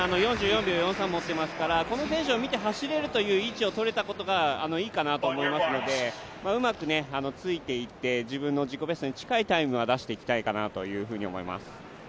４４秒４３持ってますから、この選手を見て走れるという位置を取れたことがいいかなと思いますのでうまくついていって自分の自己ベストに近いタイムは出していきたいなと思います。